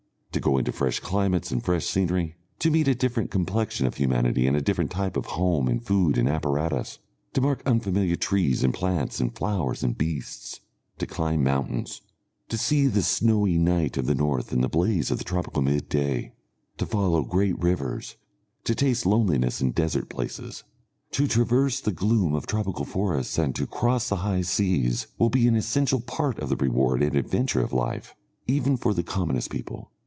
To go into fresh climates and fresh scenery, to meet a different complexion of humanity and a different type of home and food and apparatus, to mark unfamiliar trees and plants and flowers and beasts, to climb mountains, to see the snowy night of the North and the blaze of the tropical midday, to follow great rivers, to taste loneliness in desert places, to traverse the gloom of tropical forests and to cross the high seas, will be an essential part of the reward and adventure of life, even for the commonest people....